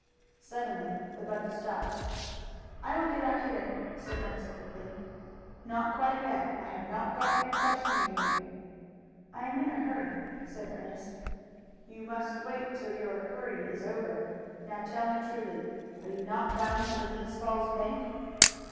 Suddenly the buggy stopped. "I will get out here," said Ernest quickly. "Not quite yet. I have not got through questioning you." "I am in a hurry," said Ernest. "You must wait till your hurry is over. Now tell me truly, are you not bound for the Lee's Falls bank?"